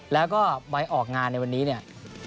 แล้วก็ใบออกงานในวันนี้เนี่ย